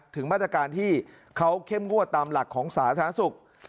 ถึงมาตรการที่เขาเข้มงวดตามหลักของสาธารณสุข